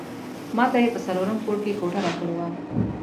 ماته یې په څلورم پوړ کې کوټه راکړې وه.